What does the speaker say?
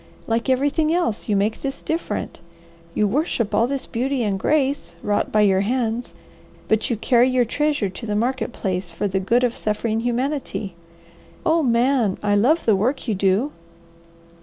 "Like everything else you make this different. You worship all this beauty and grace, wrought by your hands, but you carry your treasure to the market place for the good of suffering humanity. Oh Man! I love the work you do!"